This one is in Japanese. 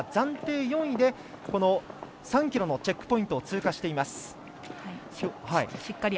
暫定４位で３ｋｍのチェックポイントを通過しています。